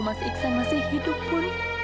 mas iksan masih hidup pun